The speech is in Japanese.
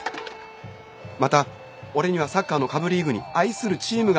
また俺にはサッカーの下部リーグに愛するチームがありました。